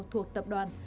thuộc tập đoàn